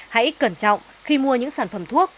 hãy cẩn trọng khi mua những sản phẩm thuốc